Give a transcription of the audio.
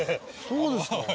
そうですか。